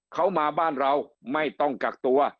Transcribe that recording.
เขามาบ้านเราไม่ต้องกักตัว